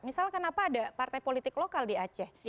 misal kenapa ada partai politik lokal di aceh